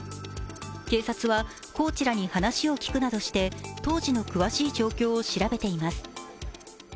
警察は、コーチらに話を聞くなどして当時の詳しい状況を調べています。